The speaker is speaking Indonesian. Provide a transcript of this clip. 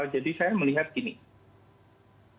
jadi saya melihatnya seperti apa nih pak